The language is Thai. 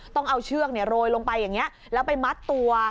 ต้องเอาเชือกโรยลงไปอย่างนี้แล้วไปมัดตัว